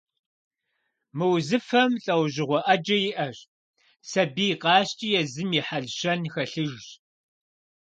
Мы узыфэм лӀэужьыгъуэ Ӏэджэ иӀэщ, сабий къэскӀи езым и хьэл-щэн хэлъыжщ.